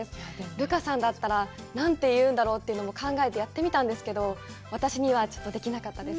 留伽さんだったら何て言うんだろうって考えてやってみたんですけど、私には、ちょっとできなかったです。